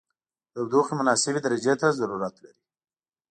د تودوخې مناسبې درجې ته ضرورت لري.